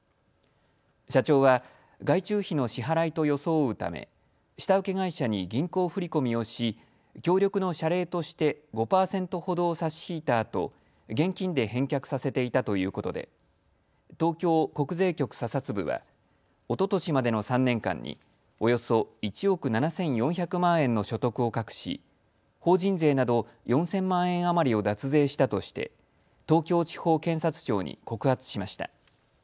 社長は外注費の支払いと装うため下請け会社に銀行振り込みをし、協力の謝礼として５％ほどを差し引いたあと現金で返却させていたということで東京国税局査察部はおととしまでの３年間におよそ１億７４００万円の所得を隠し法人税など４０００万円余りを脱税したとして東京地方検察庁に告発しました。